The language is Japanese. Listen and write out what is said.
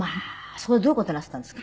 そこでどういう事なすったんですか？